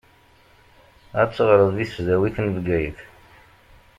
Ad teɣṛeḍ di tesdawit n Bgayet.